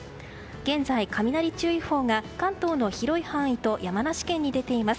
現在、雷注意報が関東の広い範囲と山梨県に出ています。